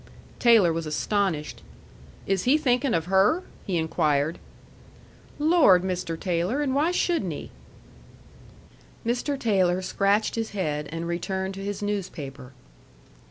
Taylor was astonished. "Is he thinking of her?" he inquired. "Lord, Mr. Taylor, and why shouldn't he?" Mr. Taylor scratched his head and returned to his newspaper.